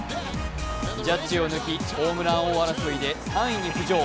ジャッジを抜き、ホームラン王争いで３位に浮上。